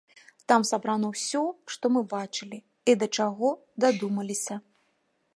Там сабрана ўсё, што мы бачылі, і да чаго дадумаліся.